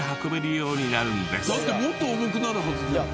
だってもっと重くなるはずじゃん。